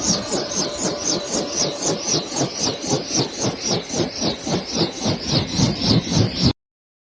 สวัสดีครับทุกคน